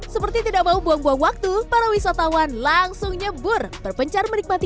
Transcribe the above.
seperti tidak mau buang buang waktu para wisatawan langsung nyebur berpencar menikmati